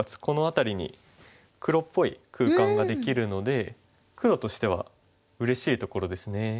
この辺りに黒っぽい空間ができるので黒としてはうれしいところですね。